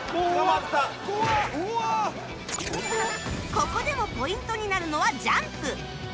ここでもポイントになるのはジャンプ